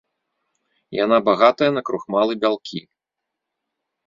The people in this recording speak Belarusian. Яна багатая на крухмал і бялкі.